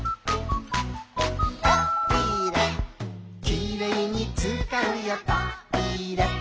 「きれいにつかうよトイレ」